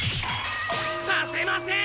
させません！